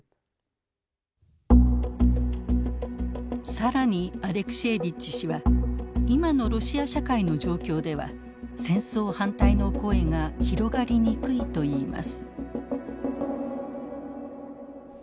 更にアレクシエービッチ氏は今のロシア社会の状況では戦争反対の声が広がりにくいといいます。